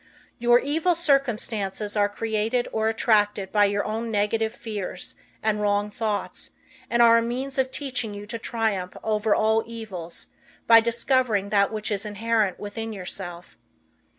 Your evil circumstances are created or attracted by your own negative, fears and wrong thoughts, and are a means of teaching you to triumph over all evils, by discovering that which is inherent within yourself.